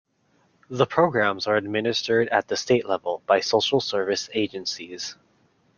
The programs are administered at the state level by Social Service Agencies.